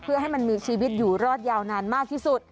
เพื่อให้มันมีชีวิตอยู่รอดยาวนานมากที่สุด